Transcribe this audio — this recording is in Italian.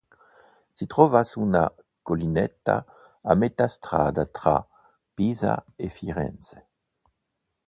Si trova su una collinetta a metà strada tra Pisa e Firenze.